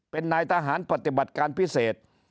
เป็นนายทหารปฏิบัติการพิเศษ